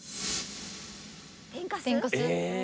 天かす？え！